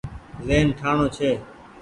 زهين ٺآڻو ڇي۔